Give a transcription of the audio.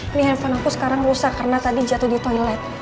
ini handphone aku sekarang rusak karena tadi jatuh di toilet